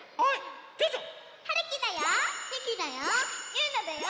ゆうなだよ。